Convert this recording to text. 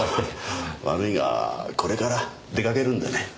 悪いがこれから出掛けるんでね。